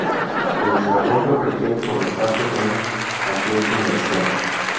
Su desarrollo requiere, por lo tanto, de una cuantiosa inversión.